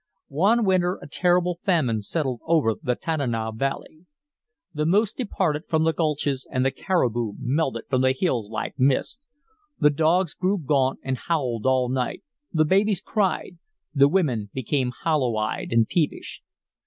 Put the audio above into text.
"One winter a terrible famine settled over the Tanana Valley. The moose departed from the gulches and the caribou melted from the hills like mist. The dogs grew gaunt and howled all night, the babies cried, the women became hollow eyed and peevish.